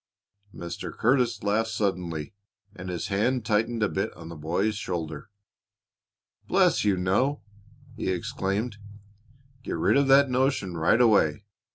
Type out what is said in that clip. Mr. Curtis laughed suddenly, and his hand tightened a bit on the boy's shoulder. "Bless you, no!" he exclaimed. "Get rid of that notion right away.